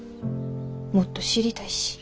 もっと知りたいし。